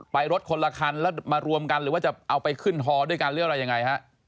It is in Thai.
รถคนละคันแล้วมารวมกันหรือว่าจะเอาไปขึ้นฮอด้วยกันหรืออะไรยังไงฮะ